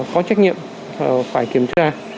có trách nhiệm phải kiểm tra